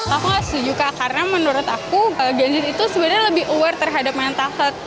aku juga karena menurut aku gen z itu sebenarnya lebih aware terhadap mental health